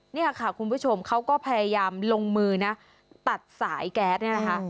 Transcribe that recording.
เนี่ยค่ะคุณผู้ชมเขาก็พยายามลงมือนะตัดสายแก๊สเนี่ยนะคะ